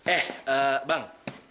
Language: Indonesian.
eh eh bang